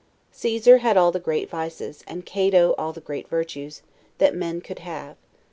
Caesar had all the great vices, and Cato all the great virtues, that men could have.